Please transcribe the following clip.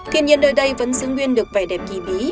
thiên nhiên nơi đây vẫn xứng nguyên được vẻ đẹp kỳ bí